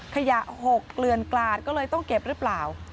ขยะ๖เกลือนกลาดก็เลยต้องเก็บหรือเปล่า